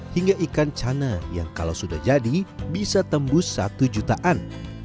hingga ikan cana yang kalau sudah jadi bisa tembus satu jutaan